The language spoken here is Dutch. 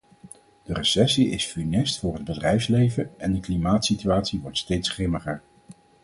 De recessie is funest voor het bedrijfsleven en de klimaatsituatie wordt steeds grimmiger.